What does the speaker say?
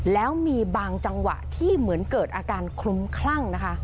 แล้วมีบางจังหวะที่เหมือนเกิดอาการคลุ้มคลั่งนะคะ